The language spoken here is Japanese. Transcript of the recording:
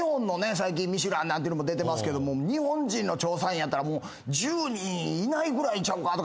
最近『ミシュラン』なんてのも出てますけども日本人の調査員やったら１０人いないぐらいちゃうかとか。